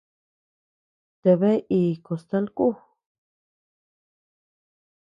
¿Tabea iì costal ku?